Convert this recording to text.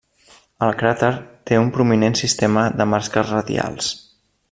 El cràter té un prominent sistema de marques radials.